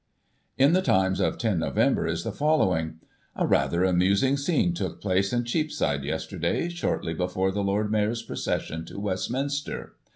In the Times of 10 Nov. is the following :" A rather amus ing scene took place in Cheapside, yesterday, shortly before the Lord Mayor's procession tg Westminster.